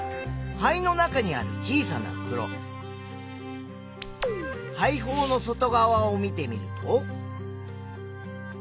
肺の中にある小さなふくろ肺胞の外側を見てみると。